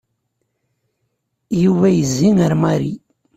Yuba yezzi ar Mary.